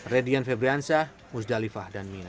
radian febriansyah musdalifah dan mina